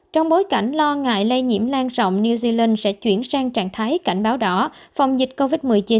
trong bối cảnh lo ngại lây nhiễm lan rộng new zealand sẽ chuyển sang trạng thái cảnh báo đỏ phòng dịch covid một mươi chín